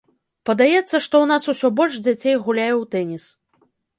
Падаецца, што ў нас усё больш дзяцей гуляе ў тэніс.